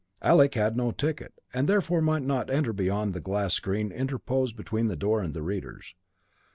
Alec had no ticket, and therefore might not enter beyond the glass screen interposed between the door and the readers.